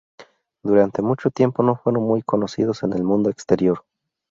Durante mucho tiempo no fueron muy conocidos en el mundo exterior.